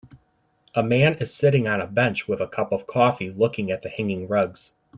A man is sitting on a bench with a cup of coffee looking at the hanging rugs.